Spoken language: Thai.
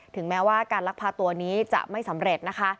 แม้ว่าการลักพาตัวนี้จะไม่สำเร็จนะคะ